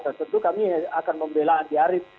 dan tentu kami akan membela andi arief